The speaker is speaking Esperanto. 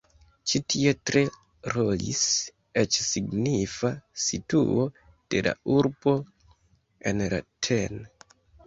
Ĉi tie tre rolis eĉ signifa situo de la urbo en la tn.